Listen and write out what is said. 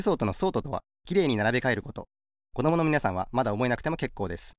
ちなみにこどものみなさんはまだおぼえなくてもけっこうです。